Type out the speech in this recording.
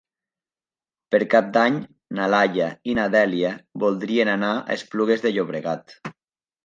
Per Cap d'Any na Laia i na Dèlia voldrien anar a Esplugues de Llobregat.